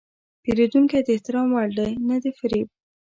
پیرودونکی د احترام وړ دی، نه د فریب.